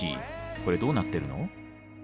コレどうなってるの？